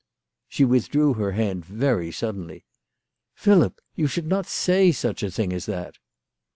She withdrew her hand very suddenly. " Philip, you should not say such a thin gf as that."